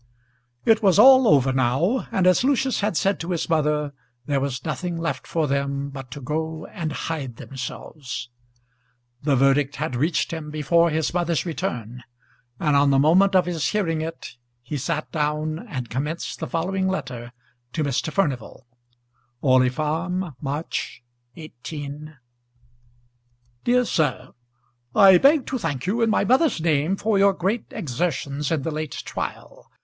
It was all over now, and as Lucius had said to his mother, there was nothing left for them but to go and hide themselves. The verdict had reached him before his mother's return, and on the moment of his hearing it he sat down and commenced the following letter to Mr. Furnival: Orley Farm, March , 18 . DEAR SIR, I beg to thank you, in my mother's name, for your great exertions in the late trial.